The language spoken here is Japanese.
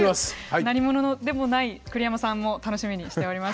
何者でもない栗山さんも楽しみにしております。